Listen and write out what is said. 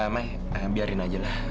mai biarin aja lah